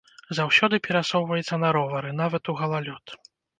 Заўсёды перасоўваецца на ровары, нават у галалёд.